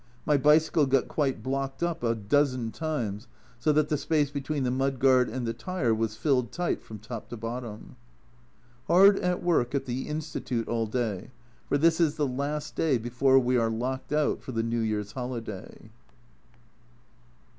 My bicycle got quite blocked up a dozen times, so that the space between the mud guard and the tyre was filled tight from top to bottom. Hard at work at the Institute all day, for this is the last day before we are locked out for the New Year's holiday.